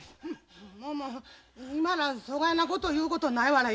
ももまだそがいなこと言うことないわらよ。